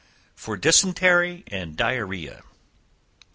For Dysentery and Diarrhoea.